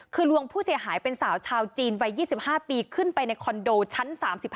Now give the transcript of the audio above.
คือลวงผู้เสียหายเป็นสาวชาวจีนวัย๒๕ปีขึ้นไปในคอนโดชั้น๓๕